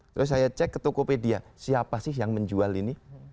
terus saya cek ke tokopedia siapa sih yang menjual ini